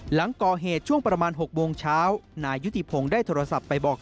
หลังก่อเหตุช่วงประมาณ๖โมงเช้านายยุติพงศ์ได้โทรศัพท์ไปบอก